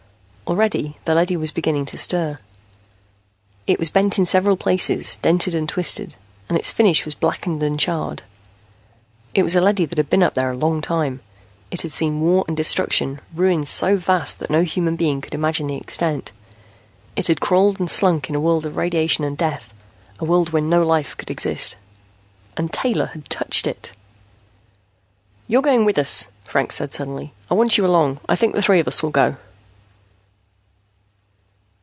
Already the leady was beginning to stir. It was bent in several places, dented and twisted, and its finish was blackened and charred. It was a leady that had been up there a long time; it had seen war and destruction, ruin so vast that no human being could imagine the extent. It had crawled and slunk in a world of radiation and death, a world where no life could exist. And Taylor had touched it! "You're going with us," Franks said suddenly. "I want you along. I think the three of us will go."